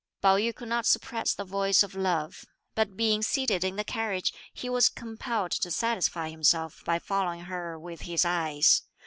Pao yü could not suppress the voice of love, but being seated in the carriage, he was compelled to satisfy himself by following her with his eyes.